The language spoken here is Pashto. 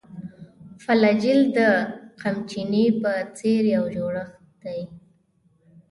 فلاجیل د قمچینې په څېر یو جوړښت دی.